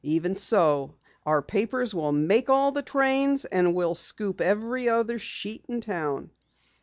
"Even so, our papers will make all the trains, and we'll scoop every other sheet in town."